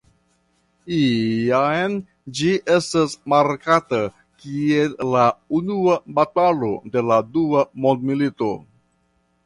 Iam ĝi estas markata kiel la unua batalo de la dua mondmilito.